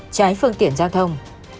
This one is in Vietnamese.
cháy phương tiện giao thông